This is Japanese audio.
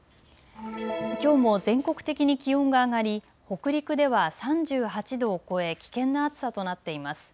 きょうも全国的に気温が上がり北陸では３８度を超え危険な暑さとなっています。